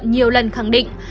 nhiều lần khẳng định